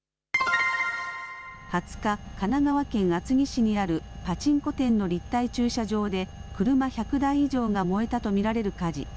２０日、神奈川県厚木市にあるパチンコ店の立体駐車場で車１００台以上が燃えたと見られる火事。